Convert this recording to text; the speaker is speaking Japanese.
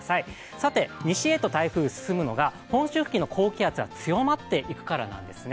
さて、西へと台風進むのは本州付近の高気圧が強まっていくからなんですね。